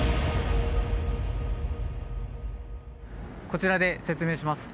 こちらで説明します。